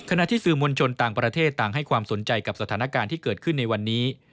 ที่สื่อมวลชนต่างประเทศต่างให้ความสนใจกับสถานการณ์ที่เกิดขึ้นในวันนี้